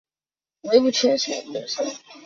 比塞尔。